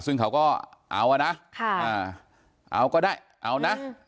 ซึ่งเขาก็เอาอ่ะนะเอาก็ได้เอานะ